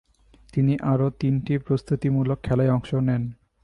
তিনি আরও তিনটি প্রস্তুতিমূলক খেলায় অংশ নেন।